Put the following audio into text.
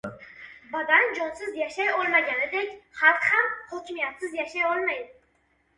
Badan jonsiz yashay olmaganidek, xalq ham hokimiyatsiz yashay olmaydi.